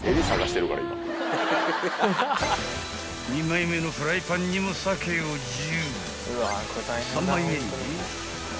［２枚目のフライパンにもサケをジュー］